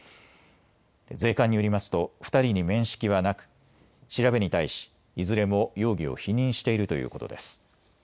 税関によりますと２人に面識はなく調べに対しいずれも容疑を否認しているということです。